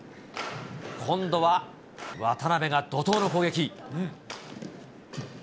今度は渡辺が怒とうの攻撃。